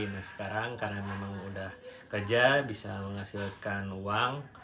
nah sekarang karena memang udah kerja bisa menghasilkan uang